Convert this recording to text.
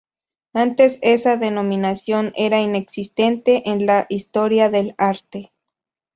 Antes esa denominación era inexistente en la historias del arte.